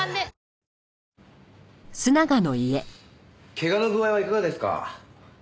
けがの具合はいかがですか？